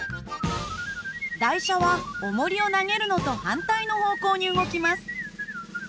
台車はおもりを投げるのと反対の方向に動きます。